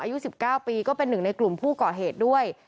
อายุ๑๙ปีก็เป็นหนึ่งในกลุ่มผู้ก่อเหตุด้วย